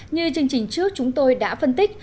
như chương trình trước chúng tôi đã phân tích